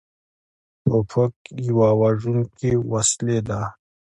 توپک یوه وژونکې وسلې ده.